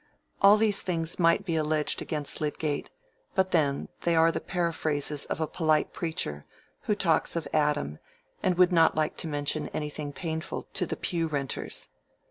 All these things might be alleged against Lydgate, but then, they are the periphrases of a polite preacher, who talks of Adam, and would not like to mention anything painful to the pew renters.